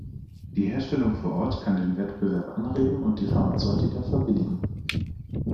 Die Herstellung vor Ort kann den Wettbewerb anregen und die Pharmazeutika verbilligen.